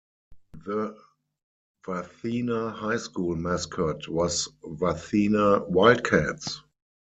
The Wathena High School mascot was Wathena Wildcats.